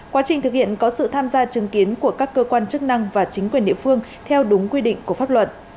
quá trình thực hiện có sự tham gia chứng kiến của các cơ quan chức năng và chính quyền địa phương theo đúng quy định của pháp luật